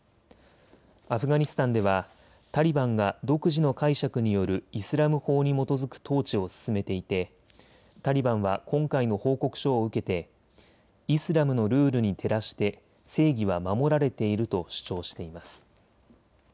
アフガニスタンではタリバンが独自の解釈によるイスラム法に基づく統治を進めていてタリバンは今回の報告書を受けてイスラムのルールに照らして正義は守られていると主張しています。